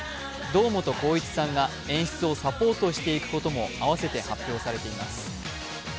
堂本光一さんが演出をサポートしていくことも併せて発表されています。